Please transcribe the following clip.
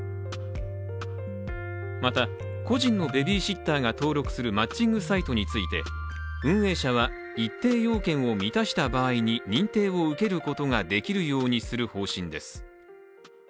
また、個人のベビーシッターが登録するマッチングサイトについて運営者は一定要件を満たした場合に認定を受けることができるようにする方針です